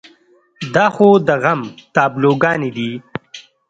دا خو د غم تابلوګانې دي.